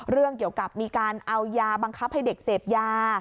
เรื่องเกี่ยวกับมีการเอายาบังคับให้เด็กเสพยา